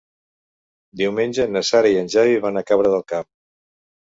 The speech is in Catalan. Diumenge na Sara i en Xavi van a Cabra del Camp.